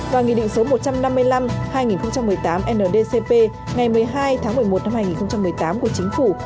và nghị định số một trăm năm mươi năm hai nghìn một mươi tám ndcp ngày một mươi hai tháng một mươi một năm hai nghìn một mươi tám của chính phủ